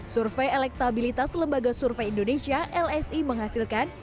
survei elektabilitas lembaga survei indonesia lsi menghasilkan